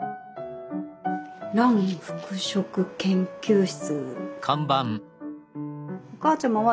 「蘭服飾研究室」。